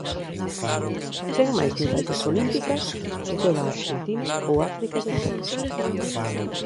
Ten máis medallas olímpicas que toda a Arxentina ou África do Sur.